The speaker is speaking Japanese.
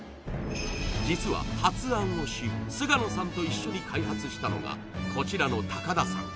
実は発案をし菅野さんと一緒に開発したのがこちらの高田さん